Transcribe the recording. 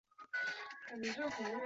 李芳辞官离去。